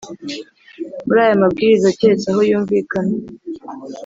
Muri aya mabwiriza keretse aho yumvikana